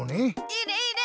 いいねいいね！